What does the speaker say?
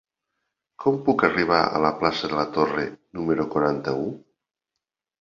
Com puc arribar a la plaça de la Torre número quaranta-u?